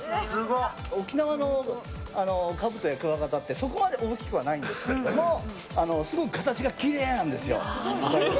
沖縄のカブトやクワガタってそこまで大きくはないんですけどすごく形がきれいなんですよ。